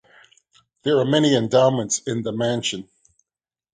There are many endowments in the mansion.